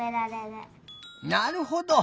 なるほど！